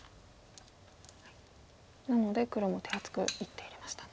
なので黒も手厚く１手入れましたね。